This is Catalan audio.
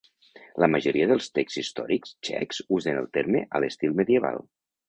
La majoria dels texts històrics txecs usen el terme a l'estil medieval.